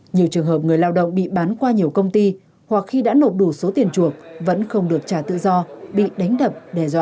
nhiều trường hợp người lao động bị bán qua nhiều công ty hoặc khi đã nộp đủ số tiền chuộc vẫn không được trả tự do bị đánh đập đe dọa